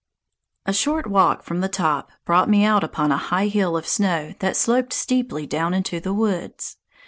A short walk from the top brought me out upon a high hill of snow that sloped steeply down into the woods.